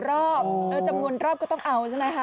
รอบจำนวนรอบก็ต้องเอาใช่ไหมคะ